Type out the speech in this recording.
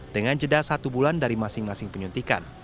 dengan jeda satu bulan dari masing masing penyuntikan